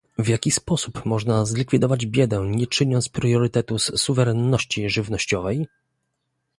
W jaki sposób można zlikwidować biedę nie czyniąc priorytetu z suwerenności żywnościowej?